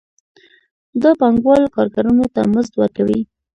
دا پانګوال کارګرانو ته مزد ورکوي